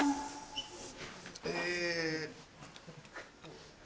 え。